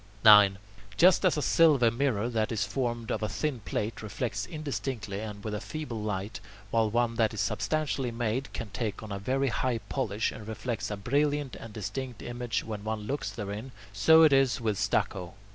9. Just as a silver mirror that is formed of a thin plate reflects indistinctly and with a feeble light, while one that is substantially made can take on a very high polish, and reflects a brilliant and distinct image when one looks therein, so it is with stucco.